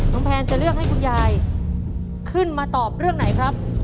แพนจะเลือกให้คุณยายขึ้นมาตอบเรื่องไหนครับ